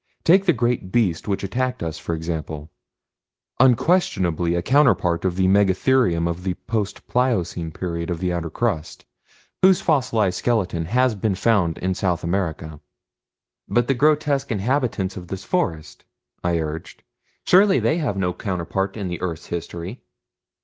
Take the great beast which attacked us, for example. Unquestionably a counterpart of the Megatherium of the post Pliocene period of the outer crust, whose fossilized skeleton has been found in South America." "But the grotesque inhabitants of this forest?" I urged. "Surely they have no counterpart in the earth's history."